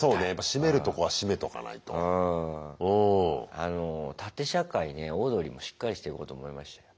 あの縦社会ねオードリーもしっかりしてこうと思いました。